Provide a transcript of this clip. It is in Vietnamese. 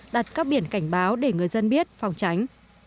đặt các biển cảnh báo để người dân biết phòng tránh